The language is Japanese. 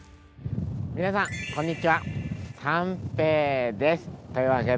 皆さんこんにちは。